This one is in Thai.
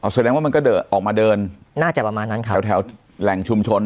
แสดงว่ามันก็เดินออกมาเดินน่าจะประมาณนั้นครับแถวแหล่งชุมชน